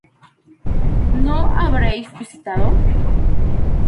¿No habréis visitado?